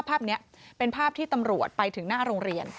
ภาพนี้เป็นภาพที่ตำรวจไปถึงหน้าโรงเรียน